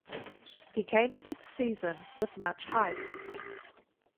He came into the season with much hype.